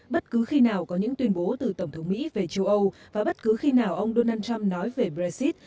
bất cứ khi nào có những tuyên bố từ tổng thống mỹ về châu âu và bất cứ khi nào ông donald trump nói về brexit